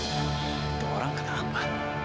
itu orang kenapa